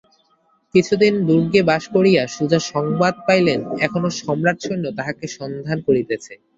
কিছুদিন দুর্গে বাস করিয়া সুজা সংবাদ পাইলেন এখনো সম্রাট-সৈন্য তাঁহাকে সন্ধান করিতেছে।